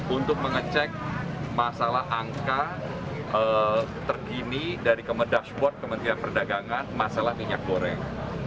untuk mengecek masalah angka terkini dari kemedashboard kementerian perdagangan masalah minyak goreng